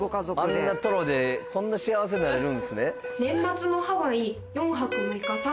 あんなトロでこんな幸せになれるんですね。